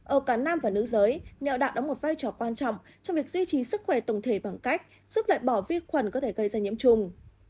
ở cả nam và nữ giới nhạo đạn đóng một vai trò quan trọng trong việc duy trì sức khỏe tổng thể bằng cách giúp loại bỏ vi khuẩn có thể gây ra nhiễm trùng